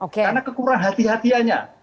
karena kekurang hati hatianya